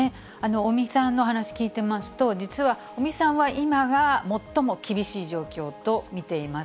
尾身さんの話聞いてますと、実は、尾身さんは今が最も厳しい状況と見ています。